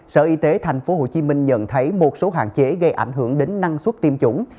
sở y tế tp hcm nhận thấy một số hạn chế gây ảnh hưởng đến năng suất tiêm chủng